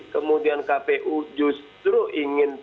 kemudian kpu justru ingin